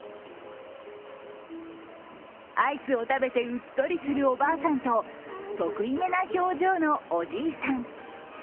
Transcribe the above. アイスを食べてうっとりするおばあさんと、得意気な表情のおじいさん。